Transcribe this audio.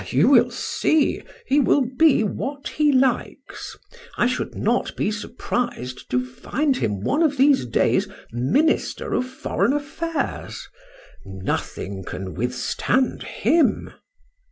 "Ah, you will see, he will be what he likes. I should not be surprised to find him one of these days Minister of Foreign Affairs. Nothing can withstand him."